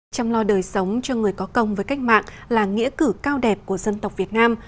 chăm lo đời sống cho người có công với cách mạng là nghĩa cử cao đẹp của dân tộc việt nam